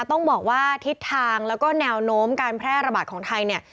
ต้องบอกว่าทิศทางแล้วก็แนวโน้มการแพร่ระบาดของไทยเนี่ย